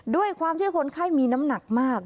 ด้วยความที่คนไข้มีน้ำหนักมาก